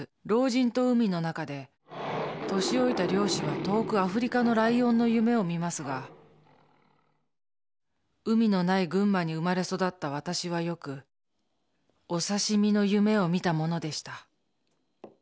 「老人と海」の中で年老いた漁師は遠くアフリカのライオンの夢を見ますが海のない群馬に生まれ育った私はよくお刺身の夢を見たものでした